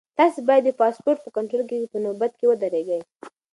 تاسو باید د پاسپورټ په کنټرول کې په نوبت کې ودرېږئ.